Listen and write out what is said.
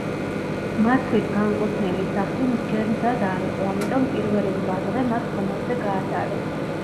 მათთვის განკუთვნილი სახლი ჯერ მზად არ იყო, ამიტომ პირველი რვა დღე მათ ხომალდზე გაატარეს.